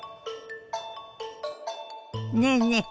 ねえねえ